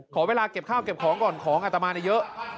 ขอเวลาเก็บข้าวเก็บของก่อนของอัตมาเยอะ